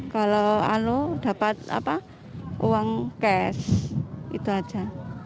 kalau dapat uang cash itu aja